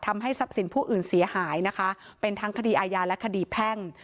ทำให้ทรัพย์สินผู้อื่นเสียหายนะคะเป็นทั้งคดีอาญาและคดีแพ่ง